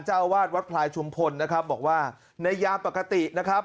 เจ้าอาวาสวัดพลายชุมพลนะครับบอกว่าในยามปกตินะครับ